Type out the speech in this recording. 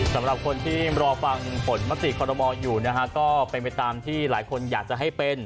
สำหรับคนที่รอฟังผลมติคอรมอลอยู่นะฮะก็เป็นไปตามที่หลายคนอยากจะให้เป็น